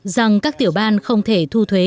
rằng các tiểu bang không thể thu thuế